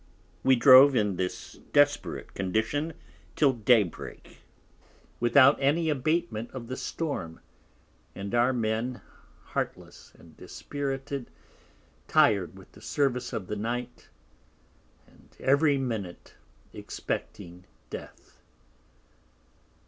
We drove in this desperate Condition till Day break, without any Abatement of the Storm, and our Men heartless and dispirited, tir'd with the Service of the Night, and every Minute expecting Death.